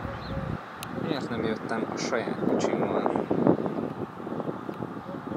Miért nem jöttem a saját kocsimmal!